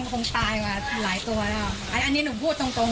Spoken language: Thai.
ค่ะก็แต่มันมีสร้างความรำคาญให้หนูเองจริง